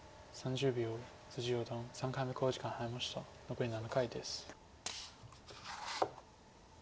残り７回です。